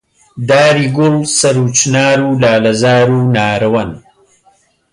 داری گوڵ، سەرو و چنار و لالەزار و نارەوەن